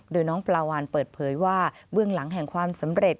โดยน้องปลาวานเปิดเผยว่าเบื้องหลังแห่งความสำเร็จ